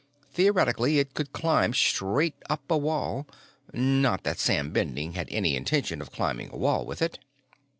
Theoretically, it could climb straight up a wall. Not that Sam Bending had any intention of climbing a wall with it.